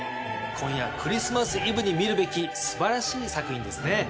今夜クリスマスイブに見るべき素晴らしい作品ですね。